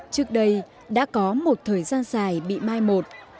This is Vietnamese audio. trước đây đã có một thời gian dài bị mai một